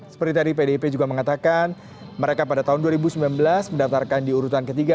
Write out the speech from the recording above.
seperti tadi pdip juga mengatakan mereka pada tahun dua ribu sembilan belas mendaftarkan di urutan ketiga